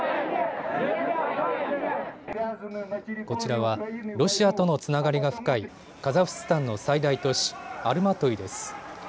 こちらはロシアとのつながりが深いカザフスタンの最大都市アルマトイです。